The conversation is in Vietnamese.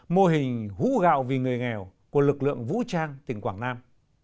mô hình hú gạo vì người nghèo của lực lượng vũ trang tỉnh quảng nam